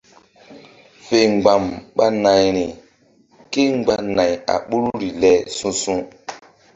Fe mgba̧m ɓa nayri kémgba nay a ɓoruri le su̧su̧.